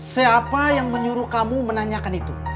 siapa yang menyuruh kamu menanyakan itu